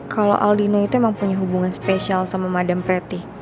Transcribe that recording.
kalau aldino itu emang punya hubungan spesial sama madam pretty